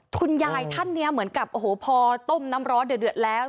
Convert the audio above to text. คุณยายท่านนี้เหมือนกับโอ้โหพอต้มน้ำร้อนเดือดแล้ว